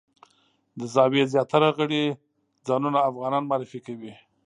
د زاویې زیاتره غړي ځانونه افغانان معرفي کوي.